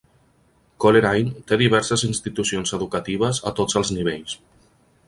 Coleraine té diverses institucions educatives a tots els nivells.